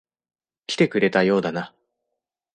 来てくれたようだな。